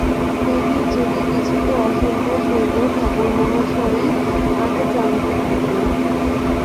দেবীর যদি কিছুতে অসন্তোষ হইত ঠাকুরমহাশয়ই আগে জানিতে পাইতেন।